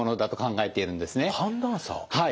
はい。